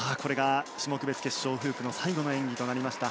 これが種目別決勝フープの最後の演技となりました。